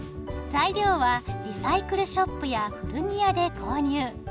材料はリサイクルショップや古着屋で購入。